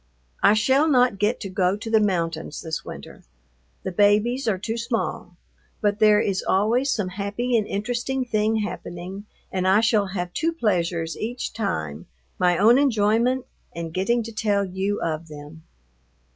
I shall not get to go to the mountains this winter. The babies are too small, but there is always some happy and interesting thing happening, and I shall have two pleasures each time, my own enjoyment, and getting to tell you of them.